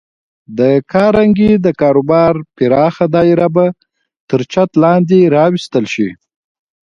د کارنګي د کاروبار پراخه دایره به تر چت لاندې راوستل شي